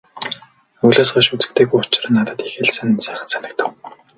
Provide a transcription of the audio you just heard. Өвлөөс хойш үзэгдээгүй учир надад их л сонин сайхан санагдав.